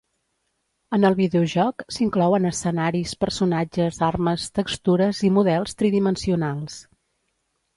En el videojoc s'inclouen escenaris, personatges, armes, textures i models tridimensionals.